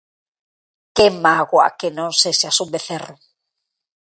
_¡Que mágoa que non sexas un becerro...!